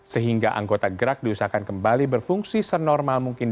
sehingga anggota gerak diusahakan kembali berfungsi senormal mungkin